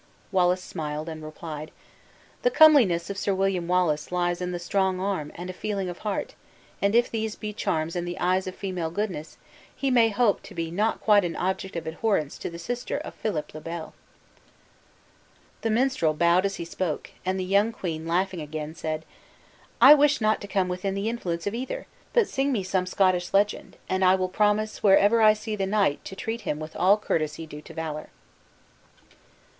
Wallace smiled, and replied: "The comeliness of Sir William Wallace lies in a strong arm and a feeling heart; and if these be charms in the eyes of female goodness, he may hope to be not quite an object of abhorrence to the sister of Philip le Bel!" The minstrel bowed as he spoke, and the young queen laughing again, said: "I wish not to come within the influence of either. But sing me some Scottish legend, and I will promise wherever I see the knight to treat him with all courtesy due to valor."